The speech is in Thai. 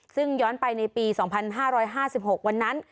ซึ่งย้อนไปในปี๒๕๕๖วันนั้น